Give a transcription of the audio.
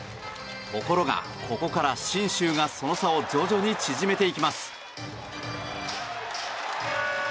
ところが、ここから信州がその差を徐々に縮めていきます。